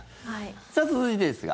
さあ、続いてですが。